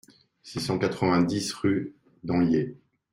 six cent quatre-vingt-dix rue d'Anhiers